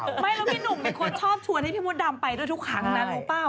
ไม่แล้วพี่หนุ่มเป็นคนชอบชวนให้พี่มดดำไปด้วยทุกครั้งนะรู้เปล่า